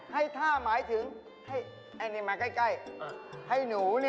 ให้ท่าได้อย่างไรพี่มันไม่มีเรือ